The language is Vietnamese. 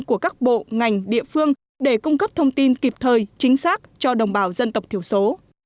của các bộ ngành địa phương để cung cấp thông tin kịp thời chính xác cho đồng bào dân tộc thiểu số